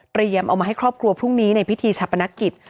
เอามาให้ครอบครัวพรุ่งนี้ในพิธีชาปนกิจ